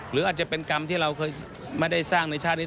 หรืออาจจะเป็นกรรมที่เราเคยไม่ได้สร้างในชาตินี้